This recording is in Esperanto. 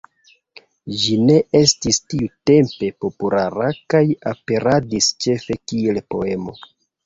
Ĝi ne estis tiutempe populara kaj aperadis ĉefe kiel poemo.